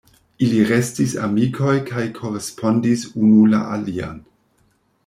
Ili restis amikoj kaj korespondis unu la alian.